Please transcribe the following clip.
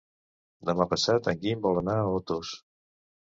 Demà passat en Guim vol anar a Otos.